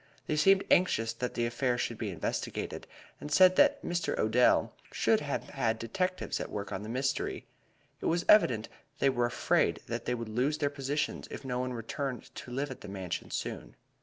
They seemed anxious that the affair should be investigated, and said that Mr. Odell should have had detectives at work on the mystery. It was evident they were afraid that they would lose their positions if no one returned to live at the Mansion soon.